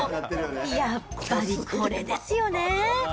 やっぱりこれですよね。